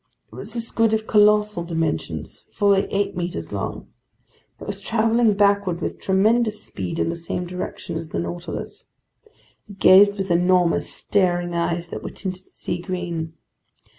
It was a squid of colossal dimensions, fully eight meters long. It was traveling backward with tremendous speed in the same direction as the Nautilus. It gazed with enormous, staring eyes that were tinted sea green.